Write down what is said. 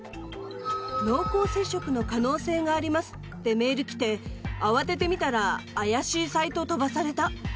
濃厚接触の可能性がありますってメール来て慌てて見たら怪しいサイト飛ばされた。